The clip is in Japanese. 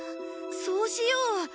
そうしよう。